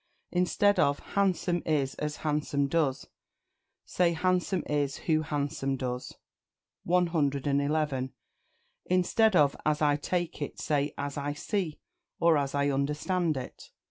Instead of "Handsome is as handsome does," say "Handsome is who handsome does." 111. Instead of "As I take it," say "As I see," or, "As I under stand it."